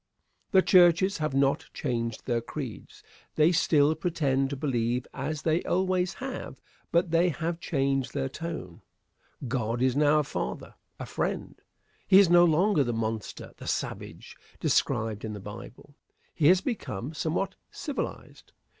The churches have not changed their creeds. They still pretend to believe as they always have but they have changed their tone. God is now a father a friend. He is no longer the monster, the savage, described in the Bible. He has become somewhat civilized.